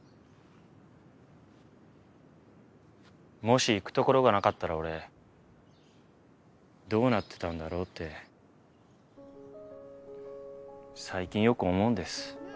もし行くところがなかったら俺どうなってたんだろうって最近よく思うんです。